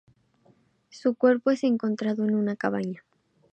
Su cuerpo es encontrado en una cabaña.